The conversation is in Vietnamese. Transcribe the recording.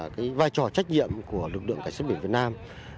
cái vai trò trách nhiệm của lực lượng cảnh sát biển việt nam